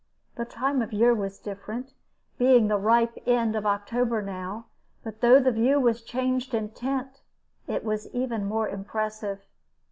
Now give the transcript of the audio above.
The time of year was different, being the ripe end of October now; but though the view was changed in tint, it was even more impressive.